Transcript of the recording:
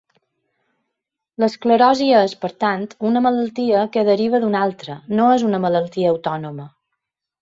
L'esclerosi és, per tant, una malaltia que deriva d'una altra, no és una malaltia autònoma.